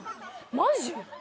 マジ？